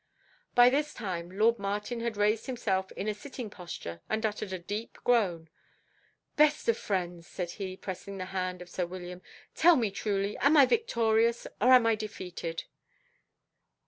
By this time lord Martin had raised himself in a sitting posture and uttered a deep groan. "Best of friends," said he, pressing the hand of sir William, "tell me truly, am I victorious, or am I defeated?"